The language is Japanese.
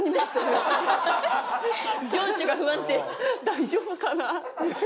大丈夫かな？